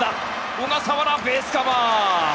小笠原、ベースカバー！